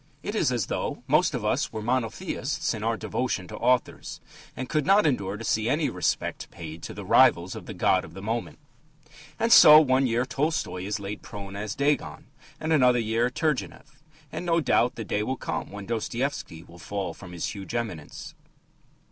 It is as though most of us were monotheists in our devotion to authors, and could not endure to see any respect paid to the rivals of the god of the moment. And so one year Tolstoy is laid prone as Dagon, and, another year, Turgenev. And, no doubt, the day will come when Dostoevsky will fall from his huge eminence.